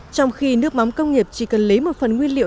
trong khi nước mắm công nghiệp chỉ cần lấy một phần nguyên liệu